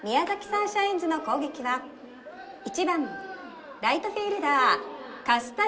サンシャインズの攻撃は１番ライトフィールダー糟谷颯。